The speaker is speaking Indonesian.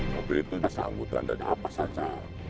mobil itu disangkutan dari apa saja